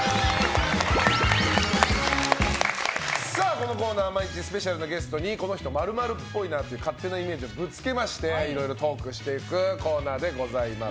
このコーナーは毎日スペシャルなゲストにこの人○○っぽいなという勝手なイメージをぶつけましていろいろトークしていくコーナーでございます。